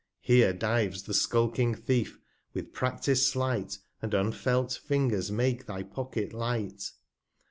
Here dives the skulking Thief, with pra&is'd Slight, And unfelt Fingers make thy Pocket light.